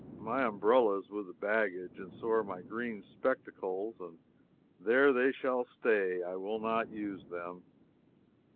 My umbrella is with the baggage, and so are my green spectacles and there they shall stay. I will not use them.